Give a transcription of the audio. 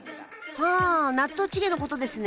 あ納豆チゲのことですね